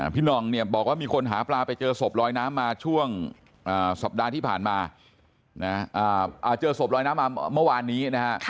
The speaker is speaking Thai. พี่นองบอกว่ามีคนหาปลาไปเจอศพรอยน้ำมาเจอศพรอยน้ำมาเมื่อวานนี้